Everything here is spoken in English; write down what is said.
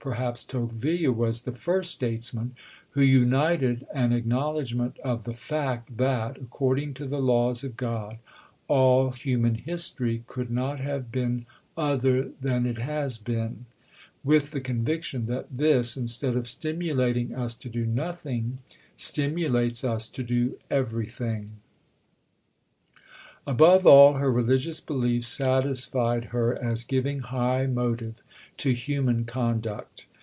Perhaps Tocqueville was the first statesman who united an acknowledgment of the fact that, according to the laws of God, all human history could not have been other than it has been, with the conviction that this, instead of stimulating us to do nothing, stimulates us to do everything. The article on Cavour was in July; that on Tocqueville, in October. Above all, her religious belief satisfied her as giving high motive to human conduct.